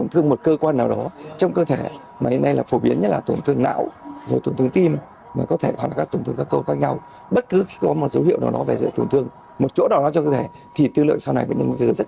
trong môi trường kín khế co từ việc đốt than